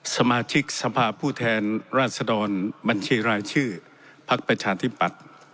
สมาชิกสภาพผู้แทนราชดรบัญชีรายชื่อพักประชาธิปัตย์